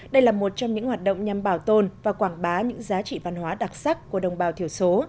đây là một trong những hoạt động nhằm bảo tồn và quảng bá những giá trị văn hóa đặc sắc của đồng bào thiểu số